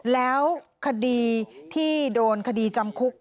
แล้วคดีที่โดนคดีจำคุก